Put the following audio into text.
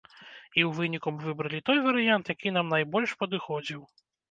І ў выніку мы выбралі той варыянт, які нам найбольш падыходзіў.